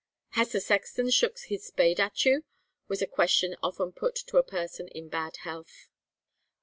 "Has the sexton shook his spade at you?" was a question often put to a person in bad health.'